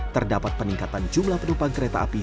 terdapat peningkatan jumlah penumpang kereta api